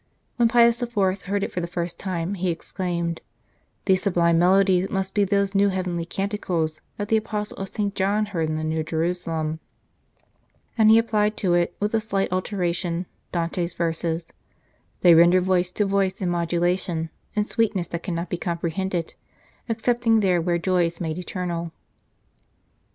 When Pius IV. heard it for the first time, he exclaimed, "These sublime melodies must be those heavenly canticles that the Apostle St. John heard in the New Jerusalem "; and he applied to it, with a slight alteration, Dante s verses, " They render voice to voice in modulation and sweetness that cannot be comprehended ex cepting there where joy is made eternal."